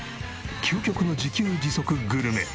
究極の自給自足グルメ。